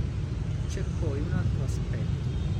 C'è poi un altro aspetto.